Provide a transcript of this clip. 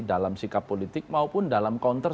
dalam sikap politik maupun dalam counter